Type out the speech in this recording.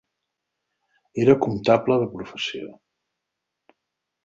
Era comptable de professió.